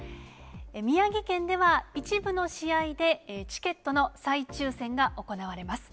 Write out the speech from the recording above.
宮城県では一部の試合で、チケットの再抽せんが行われます。